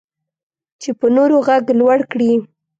چې په نورو غږ لوړ کړي.